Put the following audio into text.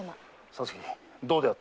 皐月どうであった？